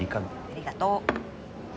ありがとう。